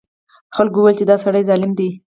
خلکو وویل چې دا سړی ظالم دی.